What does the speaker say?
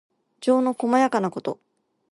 情のこまやかなこと。